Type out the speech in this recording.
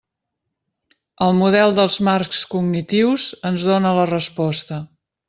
El model dels marcs cognitius ens dóna la resposta.